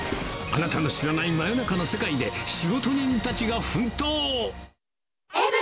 あなたの知らない真夜中の世界で、仕事人たちが奮闘。